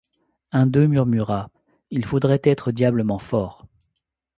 Un d’eux murmura: — Il faudrait être diablement fort.